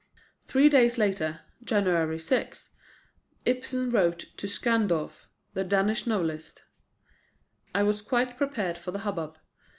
Three days later (January 6) Ibsen wrote to Schandorph, the Danish novelist: "I was quite prepared for the hubbub.